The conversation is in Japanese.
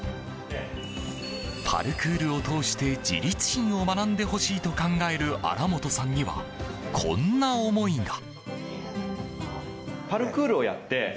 パルクールを通して自立心を学んでほしいと考える荒本さんにはこんな思いが。